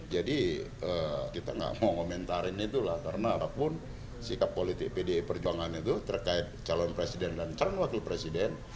jadi kita nggak mau komentarin itulah karena apapun sikap politik pdi perjuangan itu terkait calon presiden dan calon wakil presiden